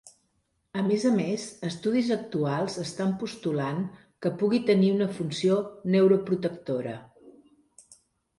A més a més, estudis actuals estan postulant que pugui tenir una funció neuroprotectora.